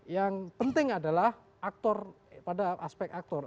yang penting adalah aktor pada aspek aktor